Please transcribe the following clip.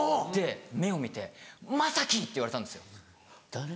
で目を見て「まさき！」って言われたんですよ。